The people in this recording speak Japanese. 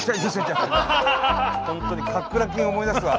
ほんとに「カックラキン」を思い出すわ。